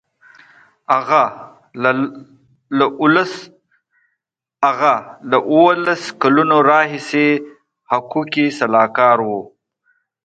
هغه له اوولس کلونو راهیسې حقوقي سلاکار و.